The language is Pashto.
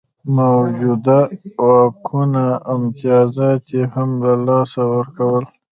موجوده واکونه او امتیازات یې هم له لاسه ورکول.